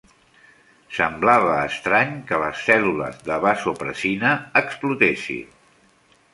Semblava estrany que les cèl·lules de vasopressina explotessin.